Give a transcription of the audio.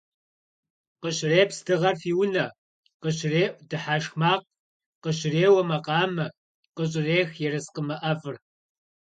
Къыщрепс дыгъэр фи унэ, къыщреӏу дыхьэшх макъ, къыщреуэ макъамэ, къыщӏрех ерыскъымэ ӏэфӏыр.